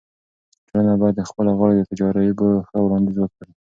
ټولنه باید د خپلو غړو د تجاريبو ښه وړاندیز وکړي.